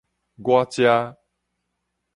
我遮